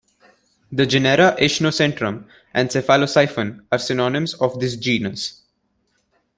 The genera Ischnocentrum and Sepalosiphon are synonyms of this genus.